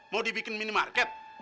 mau dibikin minimarket